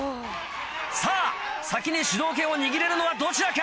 さぁ先に主導権を握れるのはどちらか？